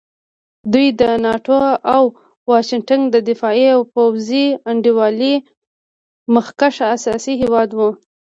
دوی د ناټو او واشنګټن د دفاعي او پوځي انډیوالۍ مخکښ اسیایي هېواد وو.